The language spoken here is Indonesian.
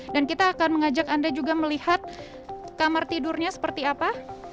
dan kita akan mengajak anda juga melihat kamar tidurnya seperti apa